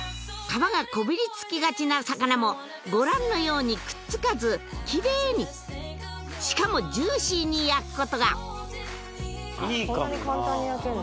皮がこびりつきがちな魚もご覧のようにくっつかずキレイにしかもジューシーに焼くことがこんなに簡単に焼けんだ